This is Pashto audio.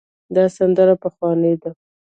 دا سندره پخوانۍ ده.